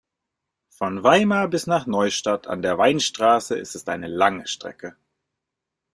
Von Weimar bis nach Neustadt an der Weinstraße ist es eine lange Strecke